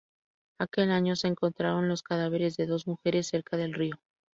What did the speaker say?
Aquel año, se encontraron los cadáveres de dos mujeres cerca del río.